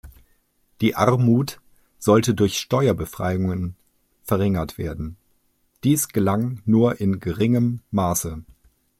Die Armut sollte durch Steuerbefreiungen verringert werden, dies gelang nur in geringem Maße.